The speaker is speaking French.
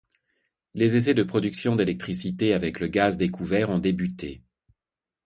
Les essais de production d’électricité avec le gaz découvert ont débuté.